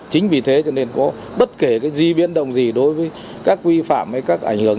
chính vì thế cho nên có bất kể cái di biến động gì đối với các quy phạm hay các ảnh hưởng